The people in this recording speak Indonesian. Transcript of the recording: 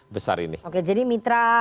besar ini oke jadi mitra